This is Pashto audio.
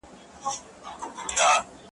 په لومړۍ شپه وو خپل خدای ته ژړېدلی `